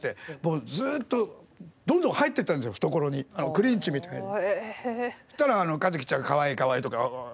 クリンチみたいに。